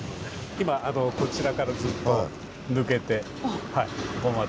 今こちらからずっと抜けてここまで。